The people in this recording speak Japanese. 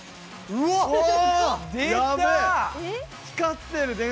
光ってる！